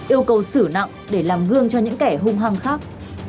yêu cầu xử nặng để làm gương cho những kẻ hung hăng khác